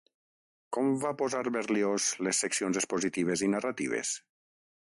Com va posar Berlioz les seccions expositives i narratives?